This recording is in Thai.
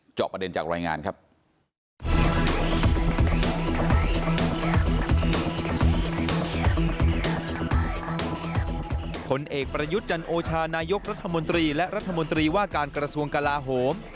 จอบประเด็นจากรายงานครับ